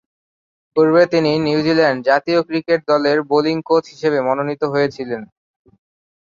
পূর্বে তিনি নিউজিল্যান্ড জাতীয় ক্রিকেট দলের বোলিং কোচ হিসেবে মনোনীত হয়েছিলেন।